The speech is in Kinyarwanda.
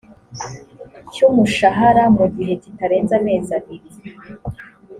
cy umushahara mu gihe kitarenze amezi abiri